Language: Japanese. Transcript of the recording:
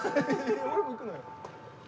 俺も行くのよ。